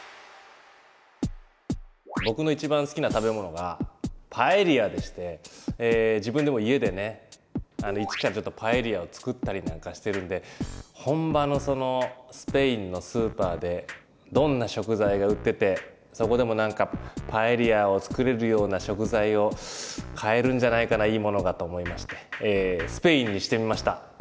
僕の一番好きな食べ物がパエリヤでして自分でも家でね一からちょっとパエリヤを作ったりなんかしてるんで本場のスペインのスーパーでどんな食材が売っててそこでも何かパエリヤを作れるような食材を買えるんじゃないかないいものがと思いましてスペインにしてみました。